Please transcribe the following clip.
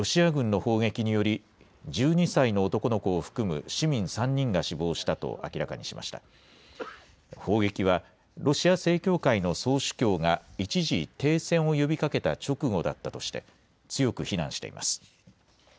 砲撃はロシア正教会の総主教が一時停戦を呼びかけた直後だったとして、強く非難しています。